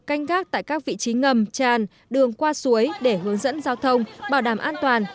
canh gác tại các vị trí ngầm tràn đường qua suối để hướng dẫn giao thông bảo đảm an toàn